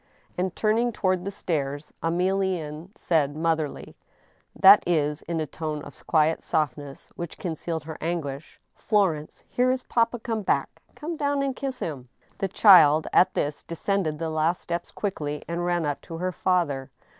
And turning toward the stairs, Emilienne said, motherly ^that is, in a tone of quiet softness, which concealed her anguish :" Florence, here is papa come back ! Come down and kiss him," The child, at this, descended the last steps quickly and ran up to her father.